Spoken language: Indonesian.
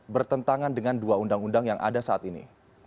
bertentangan dengan dua undang undang yang ada saat ini